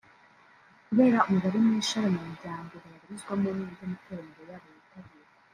kubera umubare mwinshi w’abanyamuryango bayabarizwamo n’uburyo amateraniro yabo yitabirwa